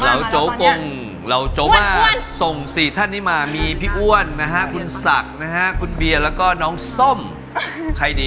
โจ๊กก้งเหล่าโจม่าส่ง๔ท่านนี้มามีพี่อ้วนนะฮะคุณศักดิ์นะฮะคุณเบียร์แล้วก็น้องส้มใครดี